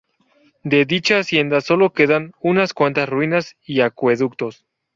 De dicha Hacienda solo quedan unas cuantas ruinas y acueductos.